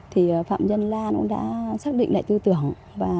thì phạm nhân lan cũng đã xác định lại tư tưởng